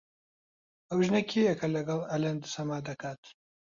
ئەو ژنە کێیە کە لەگەڵ ئەلەند سەما دەکات؟